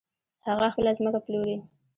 هغه خپله ځمکه پلوري .